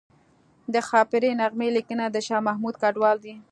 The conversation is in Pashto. د ښاپیرۍ نغمې لیکنه د شاه محمود کډوال ده